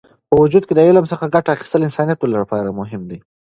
په وجود کې د علم څخه ګټه اخیستل د انسانیت لپاره مهم دی.